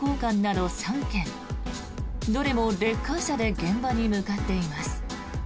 どれもレッカー車で現場に向かっています。